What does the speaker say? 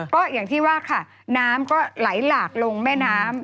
ก็อย่างที่ว่าค่ะน้ำก็ไหลหลากลงแม่น้ำ